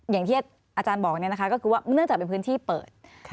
อย่างที่อาจารย์บอกก็คือว่าเนื่องจากเป็นพื้นที่เปิด